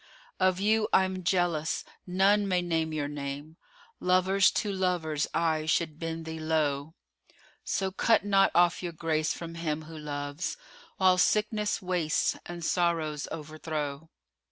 Of you I'm jealous: none may name your name: * Lovers to lovers aye should bend thee low: So cut not off your grace from him who loves * While sickness wastes and sorrows overthrow.